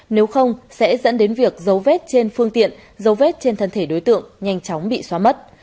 nếu không sẽ dẫn đến việc dấu vết trên phương tiện dấu vết trên thân thể đối tượng nhanh chóng bị xóa mất